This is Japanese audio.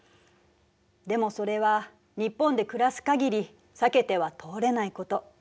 でもそれは日本で暮らす限り避けては通れないこと。